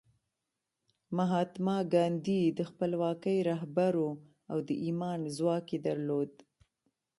مهاتما ګاندي د خپلواکۍ رهبر و او د ایمان ځواک یې درلود